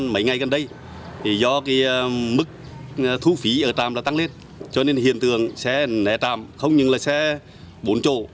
mấy ngày gần đây do mức thu phí ở trạm đã tăng lên cho nên hiện tượng xe né trạm không những là xe bốn chỗ